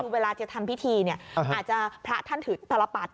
เวลาจะทำพิธีเนี่ยอาจจะพระท่านถือตลปัด